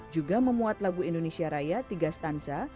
juga memuat lagu indonesia raya tiga stanza